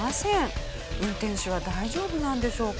運転手は大丈夫なんでしょうか？